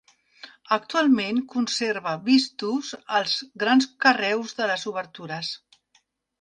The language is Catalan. Actualment conserva vistos els grans carreus de les obertures.